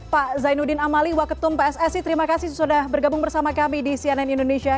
pak zainuddin amali waketum pssi terima kasih sudah bergabung bersama kami di cnn indonesia